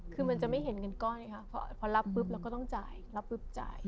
คือมันจะไม่เห็นเงินก้อนไงค่ะพอรับปุ๊บเราก็ต้องจ่ายรับปุ๊บจ่าย